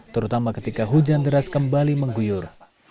terutama ketika hujan deras kembali mengguyur